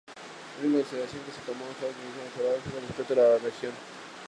La única consideración que se tomó fue su localización geográfica respecto a la región.